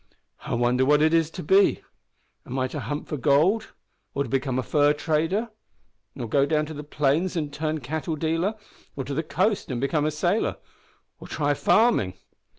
I wonder what it is to be! Am I to hunt for gold, or to become a fur trader, or go down to the plains and turn cattle dealer, or to the coast and become a sailor, or try farming?